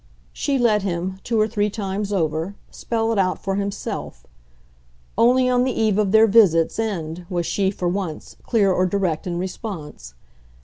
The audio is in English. She let him, two or three times over, spell it out for himself; only on the eve of their visit's end was she, for once, clear or direct in response.